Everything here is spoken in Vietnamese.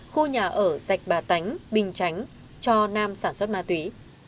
khu nhà ở sạch bà tánh bình chánh cho nam sản xuất ma túy